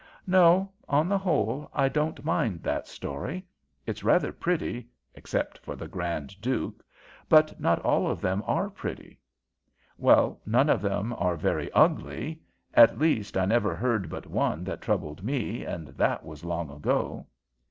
No, on the whole, I don't mind that story. It's rather pretty, except for the Grand Duke. But not all of them are pretty." "Well, none of them are very ugly; at least I never heard but one that troubled me, and that was long ago."